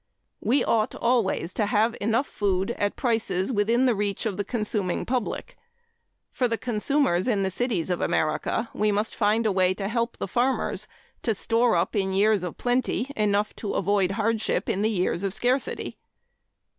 We ought always to have enough food at prices within the reach of the consuming public. For the consumers in the cities of America, we must find a way to help the farmers to store up in years of plenty enough to avoid hardship in the years of scarcity.